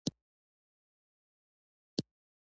پلار د کور اساس دی.